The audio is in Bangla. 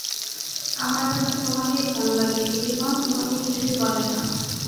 আমার কাছে তোমাকেই ভালো লাগে, দিদি মা তোমাকে কিছুই বলে না।